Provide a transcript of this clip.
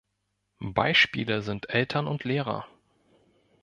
Beispiele sind Eltern und Lehrer.